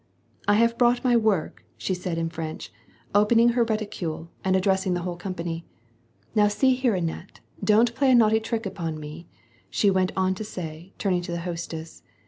*'I have brought my vorjc/' she said, in French, opening 8 WAR AND PEACE. her reticule, and addressing the whole company. '^Kow see here, Annette, don't play a naughty trick upon me," she went on to say, turning to the hostess.